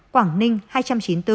quảng ninh hai trăm chín mươi bốn